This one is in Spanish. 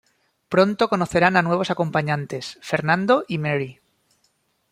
Pronto conocerán a nuevos acompañantes: Fernando y Mary.